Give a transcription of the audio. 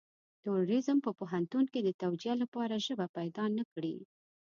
تروريزم په پوهنتون کې د توجيه لپاره ژبه پيدا نه کړي.